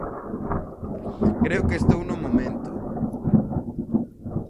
Creo que estou no momento.